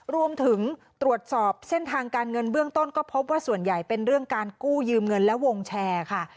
รวมถึงตรวจสอบเส้นทางการเงินเบื้องต้นก็พบว่าส่วนใหญ่เป็นเรื่องการกู้ยืมเงินและวงแชร์ค่ะ